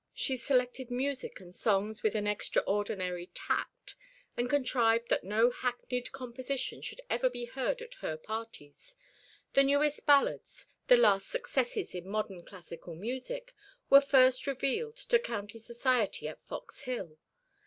She selected music and songs with an extraordinary tact, and contrived that no hackneyed composition should be ever heard at her parties. The newest ballads, the last successes in modern classical music, were first revealed to county society at Fox Hill.